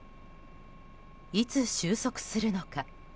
いつ収束するのか。